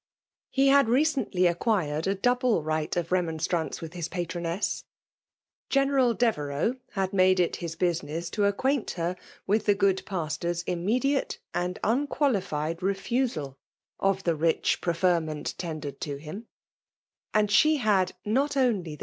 He had recently acquired a double right of temonstranoe with his patroness. Genetali Devereux had made it his business to aoquivinti her with the good pastor's immediate «p4i unqualified refusal of the rich pieferment tendered to him i and she had not only tb^.